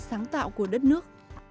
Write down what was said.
sáng tạo của đất nước